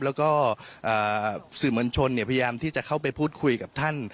แล้วก็สื่อมวลชนพยายามที่จะเข้าไปพูดคุยกับท่าน